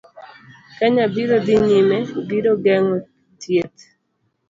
Kenya biro dhi nyime, biro geng'o thieth